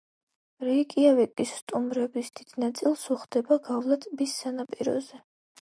რეიკიავიკის სტუმრების დიდ ნაწილს უხდება გავლა ტბის სანაპიროზე.